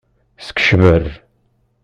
Skecber.